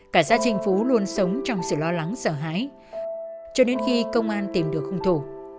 cả gia trinh phú luôn sống trong sự lo lắng sợ hãi cho đến khi công an tìm được hung thủ